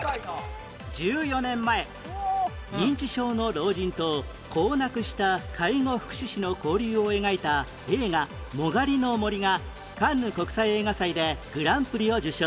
１４年前認知症の老人と子を亡くした介護福祉士の交流を描いた映画『殯の森』がカンヌ国際映画祭でグランプリを受賞